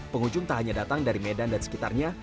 pengunjung tak hanya datang dari medan dan sekitarnya